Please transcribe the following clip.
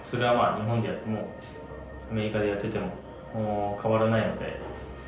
日本でやってもアメリカでやってても変わらないので。